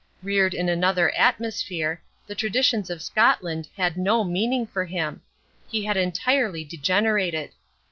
Reared in another atmosphere, the traditions of Scotland had no meaning for him. He had entirely degenerated.